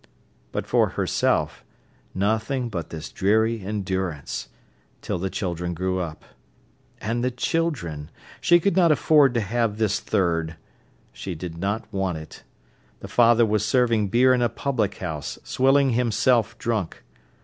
But for herself, nothing but this dreary endurance—till the children grew up. And the children! She could not afford to have this third. She did not want it. The father was serving beer in a public house, swilling himself drunk.